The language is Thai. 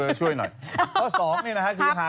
อ๋อเหรอช่วยหน่อย